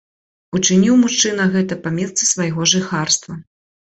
Учыніў мужчына гэта па месцы свайго жыхарства.